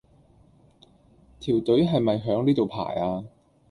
條隊係咪響呢度排呀？